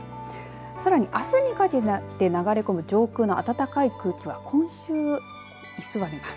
さらに、あすにかけて流れ込む上空の暖かい空気は今週、居座ります。